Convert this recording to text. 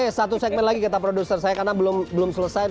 oke satu segmen lagi kata produser saya karena belum selesai